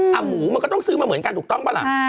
หมูมันก็ต้องซื้อมาเหมือนกันถูกต้องปะล่ะ